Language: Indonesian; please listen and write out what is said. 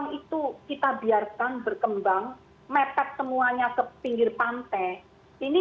yang itu kita biarkan berkembang mepet semuanya ke pinggir pantai ini